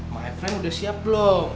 my friend udah siap blom